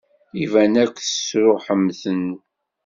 Iban akk tesṛuḥem-ten.